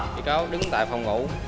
vị cáo đứng tại phòng ngủ